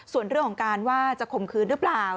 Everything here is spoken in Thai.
ส่วนเรื่องของการว่าจะข่มขืนหรือเปล่า